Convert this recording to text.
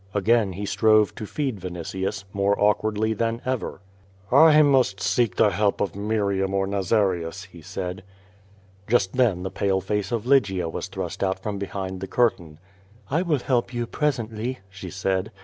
Again he strove to feed Vinitius, more awkwardly than ever. "I must seek the help of Miriam or Xa^arius," he said. Just then the pale face of Lygia was thrust out from behind the curtain. "I will help you presently/' she said.